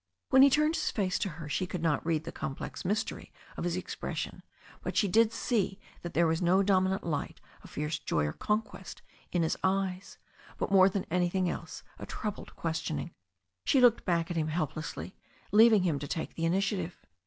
When he turned his face to her she could not read the complex mystery of his expression, but she did see that there was no dominant light of fierce joy or conquest in his eyes, but more than anything else a troubled questioning. She looked back at him helplessly, leaving him to take the initiative.